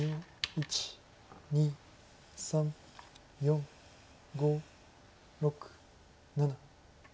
１２３４５６７。